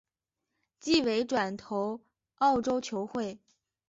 季尾转投澳洲球会。